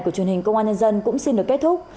của truyền hình công an nhân dân cũng xin được kết thúc